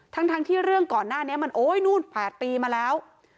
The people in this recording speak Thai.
ทั้งที่เรื่องก่อนหน้านี้มันโอ๊ยนู่น๘ปีมาแล้ว